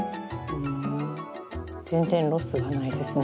全然ロスがないですね。